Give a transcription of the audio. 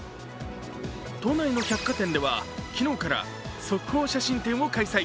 都内の百貨店では昨日から速報写真展を開催。